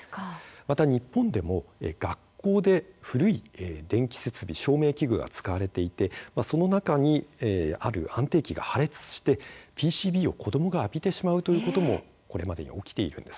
また日本でも学校で古い電気設備、照明器具が使われていてその中にある安定器が破裂してＰＣＢを子どもが浴びてしまうということもこれまでに起きているんです。